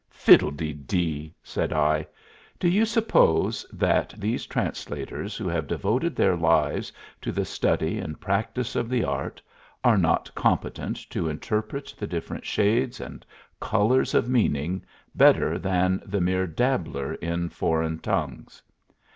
"Fiddledeedee!" said I. "Do you suppose that these translators who have devoted their lives to the study and practice of the art are not competent to interpret the different shades and colors of meaning better than the mere dabbler in foreign tongues?